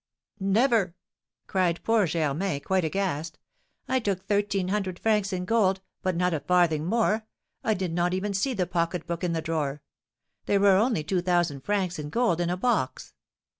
Never!' cried poor Germain, quite aghast. 'I took thirteen hundred francs in gold, but not a farthing more. I did not even see the pocket book in the drawer; there were only two thousand francs, in gold, in a box.'